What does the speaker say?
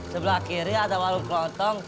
sebelah kiri ada warung kelontong ya